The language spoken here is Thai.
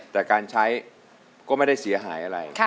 แต่การใช้ก็ไม่ได้เสียหายอะไร